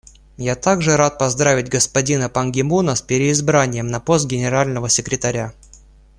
Я также рад поздравить господина Пан Ги Муна с переизбранием на пост Генерального секретаря.